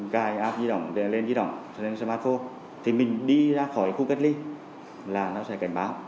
cài app di động lên di động lên smartphone thì mình đi ra khỏi khu cất ly là nó sẽ cảnh báo